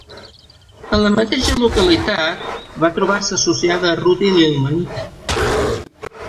En la mateixa localitat va trobar-se associada a rútil i ilmenita.